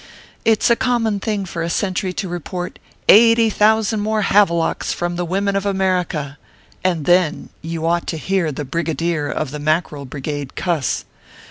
It s a com mon thing for a sentry to report " eighty thousand more havelocks from the women of America ;" and then you ought to hear the Brigadier of the Mackerel Brigade cuss